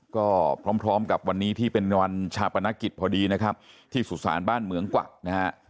ก็พร้อมพร้อมกับวันนี้ที่เป็นวันชาปนกิจพอดีนะครับที่สุสานบ้านเหมืองกวักนะฮะ